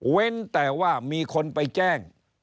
แต่ว่ามีคนไปแจ้ง